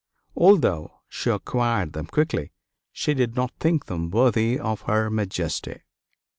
Although she acquired them quickly, she did not think them worthy of her majesty.